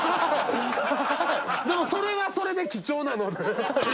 でもそれはそれで貴重なので。